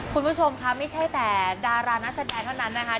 คุณผู้ชมค่ะไม่ใช่แต่ดารานักแสดงเท่านั้นนะคะ